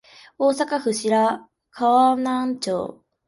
大阪府河南町